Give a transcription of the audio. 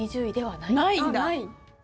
ない。